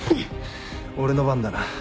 俺の番だな。